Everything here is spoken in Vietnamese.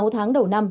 sáu tháng đầu năm